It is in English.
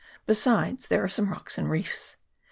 Besides, there are some rocks and reefs.